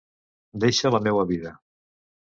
Deixa la meua vida.